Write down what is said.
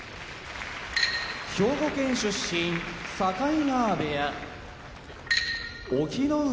兵庫県出身境川部屋隠岐の海